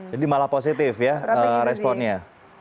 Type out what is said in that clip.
jadi malah positif ya responnya